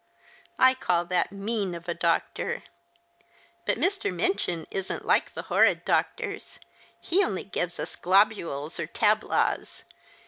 I call that mean of a doctor. But 3Ir. Minchin isn't like the horrid doctors. He only gives us globules or tablaws.